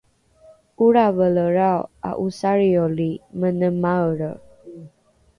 olravelelrao a’osarioli mene maelre